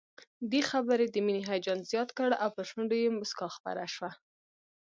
دې خبر د مينې هيجان زيات کړ او پر شونډو يې مسکا خپره شوه